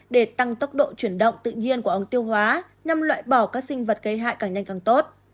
để tăng tốc độ chuyển động tự nhiên của ống tiêu hóa nhằm loại bỏ các sinh vật gây hại càng nhanh càng tốt